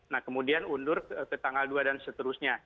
nah kemudian undur ke tanggal dua dan seterusnya